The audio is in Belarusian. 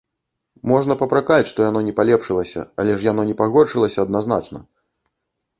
Можна папракаць, што яно не палепшылася, але ж яно не пагоршылася адназначна!